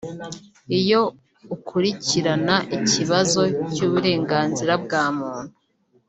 iyo ukurikirana ikibazo cy’uburenganzira bwa muntu